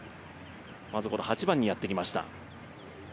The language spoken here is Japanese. まずこの８番にやってきました。